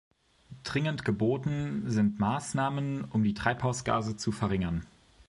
Dringend geboten sind Maßnahmen, um die Treibhausgase zu verringern.